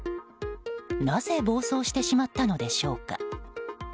なぜ暴走してしまったのでしょうか。